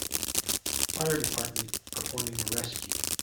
Fire department performing a rescue.